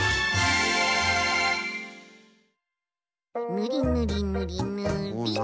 ぬりぬりぬりぬりっと。